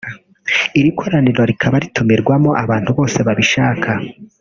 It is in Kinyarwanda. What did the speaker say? iri koraniro rikaba ritumirwamo abantu bose babishaka